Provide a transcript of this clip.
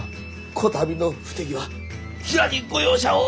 こたびの不手際ひらにご容赦を！